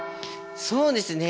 そうですね。